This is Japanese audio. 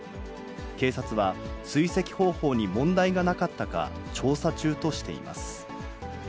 警察は、追跡方法に問題がなかったか、調査中としています。